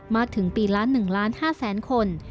มากถึงปีละ๑๕๐๐๐๐๐คน